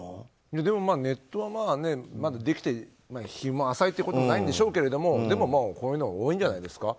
でもネットはできて日も浅いということもないんでしょうがでも、こういうのは多いんじゃないですか。